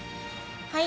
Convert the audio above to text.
はい。